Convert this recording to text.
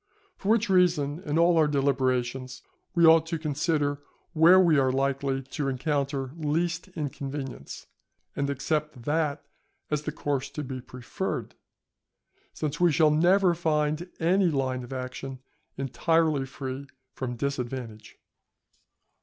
For which reason in all our deliberations we ought to consider where we are likely to encounter least inconvenience, and accept that as the course to be preferred, since we shall never find any line of action entirely free from disadvantage.